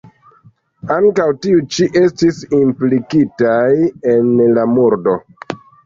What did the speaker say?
Ankaŭ tiuj ĉi estis implikitaj en la murdo.